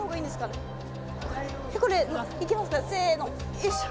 よいしょ。